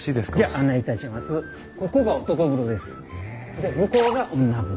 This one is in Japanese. で向こうが女風呂。